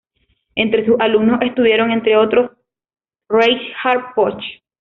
Entre sus alumnos estuvieron, entre otros, Reinhard Puch.